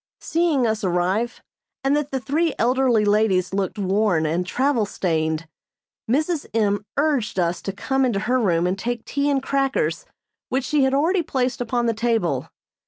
Seeing us arrive, and that the three elderly ladies looked worn and travel stained, Mrs. M. urged us to come into her room and take tea and crackers which she had already placed upon the table.